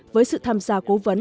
với sự tham gia cố vấn